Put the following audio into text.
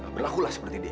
berlakulah seperti dia